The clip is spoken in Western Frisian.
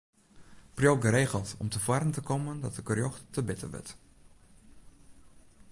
Priuw geregeld om te foaren te kommen dat it gerjocht te bitter wurdt.